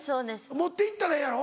持って行ったらええんやろ？